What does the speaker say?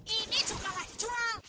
ini juga lagi dijual